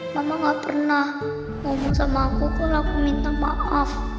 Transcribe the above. mama gak pernah ngomong sama aku kok laku minta maaf